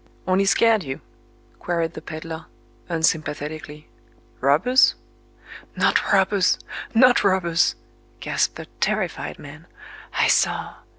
_" "—Only scared you?" queried the peddler, unsympathetically. "Robbers?" "Not robbers,—not robbers," gasped the terrified man... "I saw...